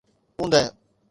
اوندهه